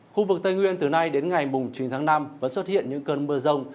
khu vực tây nguyên từ nay đến ngày chín tháng năm vẫn xuất hiện những cơn mưa rông